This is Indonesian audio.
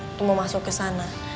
itu mau masuk ke sana